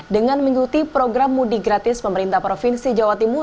dengan mengikuti program mudik gratis pemerintah provinsi jawa timur